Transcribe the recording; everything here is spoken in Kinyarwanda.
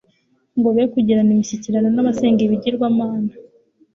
ngo be kugirana imishyikirano n'abasenga ibigirwamana;